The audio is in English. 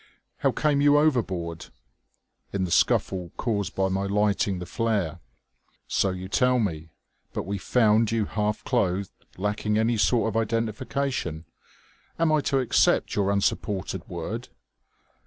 "How came you overboard?" "In the scuffle caused by my lighting the flare." "So you tell me. But we found you half clothed, lacking any sort of identification. Am I to accept your unsupported word?"